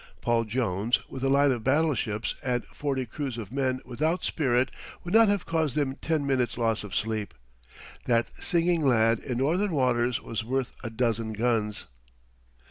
Paul Jones with a line of battleships and forty crews of men without spirit would not have caused them ten minutes' loss of sleep. That singing lad in northern waters was worth a dozen guns.